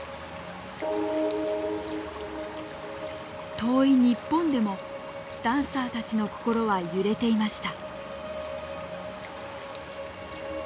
遠い日本でもダンサーたちの心は揺れていました。